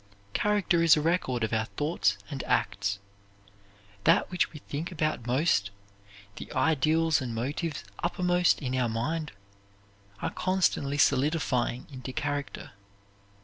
Character is a record of our thoughts and acts. That which we think about most, the ideals and motives uppermost in our mind, are constantly solidifying into character.